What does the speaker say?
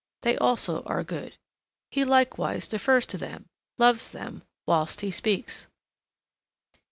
They also are good. He likewise defers to them, loves them, whilst he speaks.